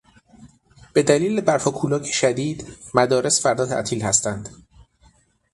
به دلیل برف و کولاک شدید، مدارس فردا تعطیل هستند